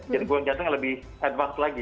jadi gue yang jantung yang lebih advance lagi